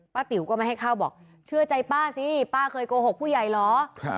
ติ๋วก็ไม่ให้เข้าบอกเชื่อใจป้าสิป้าเคยโกหกผู้ใหญ่เหรอ